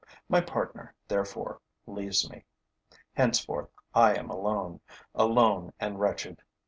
My partner, therefore, leaves me. Henceforth, I am alone, alone and wretched.